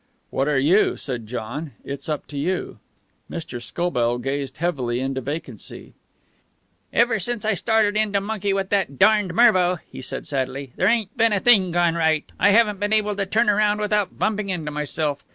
"What are you?" said John. "It's up to you." Mr. Scobell gazed heavily into vacancy. "Ever since I started in to monkey with that darned Mervo," he said sadly, "there ain't a thing gone right. I haven't been able to turn around without bumping into myself.